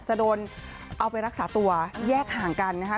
จะโดนเอาไปรักษาตัวแยกห่างกันนะคะ